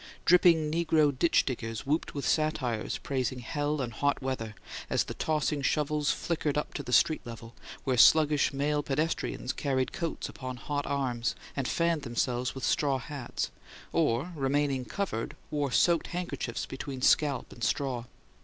Dripping negro ditch diggers whooped with satires praising hell and hot weather, as the tossing shovels flickered up to the street level, where sluggish male pedestrians carried coats upon hot arms, and fanned themselves with straw hats, or, remaining covered, wore soaked handkerchiefs between scalp and straw.